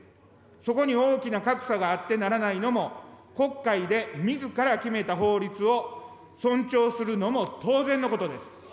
そこに大きな格差があってならないのも、国会でみずから決めた法律を尊重するのも当然のことです。